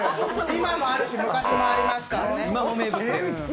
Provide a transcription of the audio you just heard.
今もある、昔もありますからね。